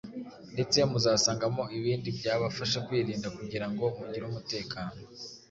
ndetse muzasangamo n’ibindi byabafasha kwirinda kugira ngo mugire umutekano